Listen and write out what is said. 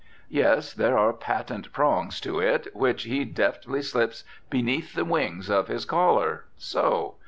Yes, there are patent prongs to it, which he deftly slips beneath the wings of his collar. So!